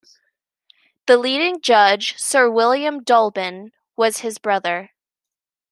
The leading judge Sir William Dolben was his brother.